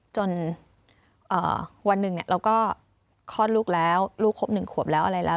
จนวันหนึ่งเราก็คลอดลูกแล้วลูกครบ๑ขวบแล้วอะไรแล้ว